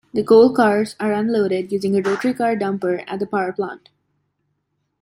The coal cars are unloaded using a rotary car dumper at the power plant.